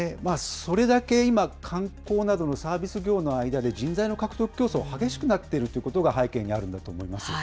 それだけ今、観光などのサービス業の間で人材の獲得競争が激しくなっているということが背景にあるんだと思います。